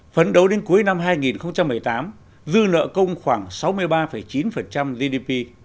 phấn đấu đến cuối năm hai nghìn một mươi tám dư nợ công khoảng sáu mươi ba chín gdp